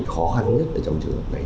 khó khăn nhất trong trường hợp này